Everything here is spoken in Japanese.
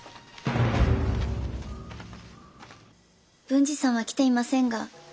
文治さんは来ていませんが。